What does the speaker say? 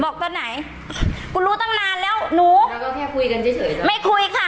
ตอนไหนกูรู้ตั้งนานแล้วหนูก็แค่คุยกันเฉยไม่คุยค่ะ